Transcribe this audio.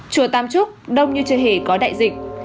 chùa tam trúc đông như chưa hề có đại dịch